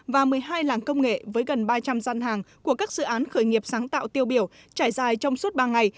và một mươi hai làng công nghệ với gần ba trăm linh gian hàng của các dự án khởi nghiệp sáng tạo tiêu biểu trải dài trong suốt ba ngày